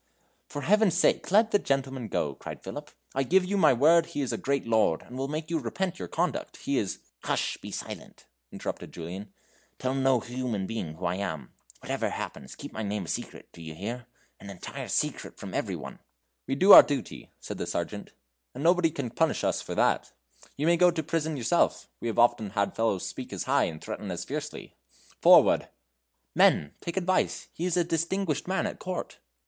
"For Heaven's sake, let the gentleman go," cried Philip; "I give you my word he is a great lord, and will make you repent your conduct. He is " "Hush; be silent," interrupted Julian; "tell no human being who I am. Whatever happens keep my name a secret. Do you hear? an entire secret from every one!" "We do our duty," said the sergeant, "and nobody can punish us for that; you may go to a prison yourself; we have often had fellows speak as high, and threaten as fiercely; forward!" "Men! take advice; he is a distinguished man at court."